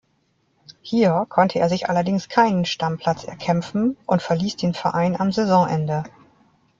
Hier konnte er sich allerdings keinen Stammplatz erkämpfen und verließ den Verein am Saisonende.